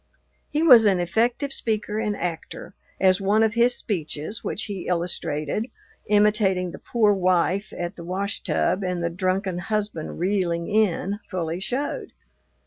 He was an effective speaker and actor, as one of his speeches, which he illustrated, imitating the poor wife at the washtub and the drunken husband reeling in, fully showed.